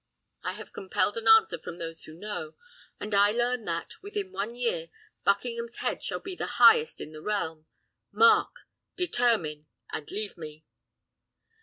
I have compelled an answer from those who know, and I learn that, within one year, Buckingham's head shall be the highest in the realm. Mark! determine! and leave me!"